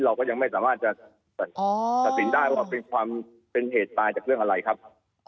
เราก็ยังไม่สามารถจะตัดสินได้ว่าเป็นความเป็นเหตุตายจากเรื่องอะไรครับ